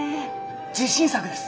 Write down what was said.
自信作です！